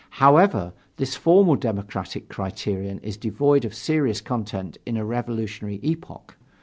However, this formal democratic criterion is devoid of serious content in a revolutionary epoch.